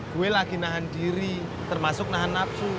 gue lagi nahan diri termasuk nahan nafsu